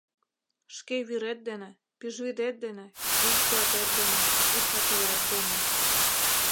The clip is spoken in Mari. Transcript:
Шке вӱрет дене, пӱжвӱдет дене, вий-куатет дене, уш-акылет дене...